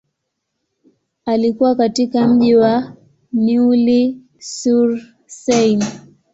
Alikua katika mji wa Neuilly-sur-Seine.